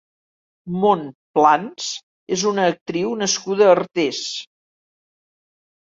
Mont Plans és una actriu nascuda a Artés.